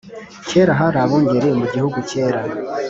Kera hari abungeri mu gihugu kera